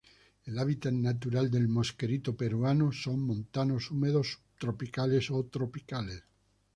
El hábitat natural del mosquerito peruano son montanos húmedos subtropicales o tropicales.